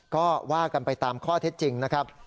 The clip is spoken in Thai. ก็ว่ากันไปตามข้อเท็จจริงนะครับ